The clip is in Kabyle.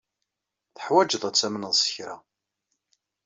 Teḥwajeḍ ad tamneḍ s kra.